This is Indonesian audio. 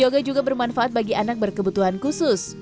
yoga juga bermanfaat bagi anak berkebutuhan khusus